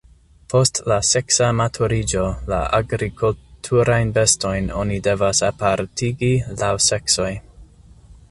Post la seksa maturiĝo la agrikulturajn bestojn oni devas apartigi laŭ seksoj.